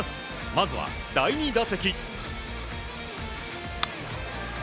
まずは第２打席。